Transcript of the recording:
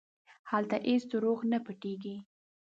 هلته هېڅ دروغ نه پټېږي.